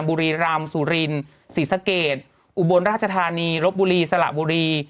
บุรีรำสุรินศรีสะเกดอุบลราชธานีลบบุรีสละบุรี